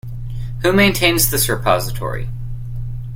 Who maintains this repository?